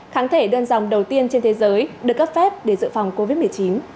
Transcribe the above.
kháng thể đơn dòng đầu tiên trên thế giới được cấp phép để dự phòng covid một mươi chín